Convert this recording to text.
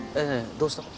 どうした？